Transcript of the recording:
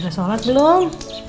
udah sholat belom